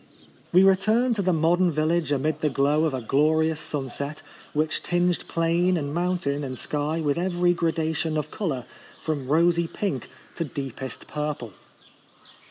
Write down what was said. We returned to the modern vil lage amid the glow of a glorious sunset, which tinged plain and mountain and sky with every gradation of colour, from rosy pink to deepest purple.